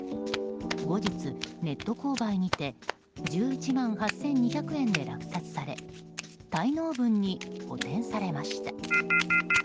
後日、ネット公売にて１１万８２００円で落札され滞納分に補填されました。